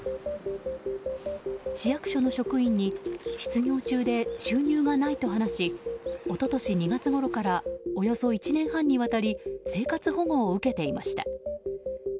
市役所の職員に失業中で収入がないと話し一昨年２月ごろからおよそ１年半に渡り生活保護を受けていました。